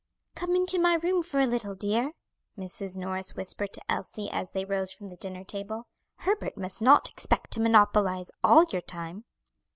"Come into my room for a little, dear," Mrs. Norris whispered to Elsie as they rose from the dinner table. "Herbert must not expect to monopolize all your time."